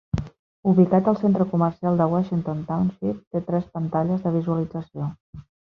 Ubicat al centre comercial de Washington Township, té tres pantalles de visualització.